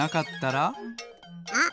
あっ！